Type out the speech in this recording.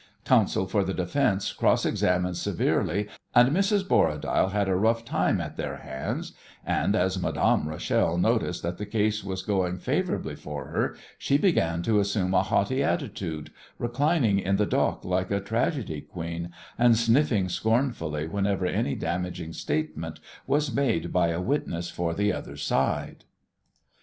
Counsel for the defence cross examined severely, and Mrs. Borradaile had a rough time at their hands, and as Madame Rachel noticed that the case was going favourably for her she began to assume a haughty attitude, reclining in the dock like a tragedy queen, and sniffing scornfully whenever any damaging statement was made by a witness for the other side.